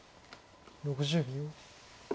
６０秒。